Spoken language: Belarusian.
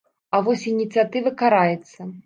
А вось ініцыятыва караецца.